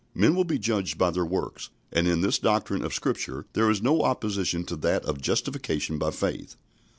Men will be judged by their works, and in this doctrine of Scripture there is no opposition to that of justification by faith.